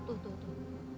tuh tuh tuh